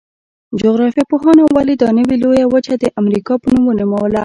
جغرافیه پوهانو ولې دا نوي لویه وچه د امریکا په نوم ونوموله؟